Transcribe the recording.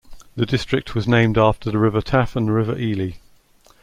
The district was named after the River Taff and the River Ely.